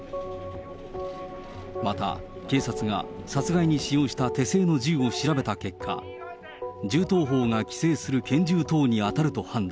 また、警察が殺害に使用した手製の銃を調べた結果、銃刀法が規制する拳銃等に当たると判断。